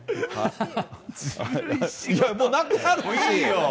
いやもう、なくなるし。